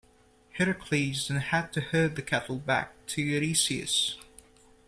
Heracles then had to herd the cattle back to Eurystheus.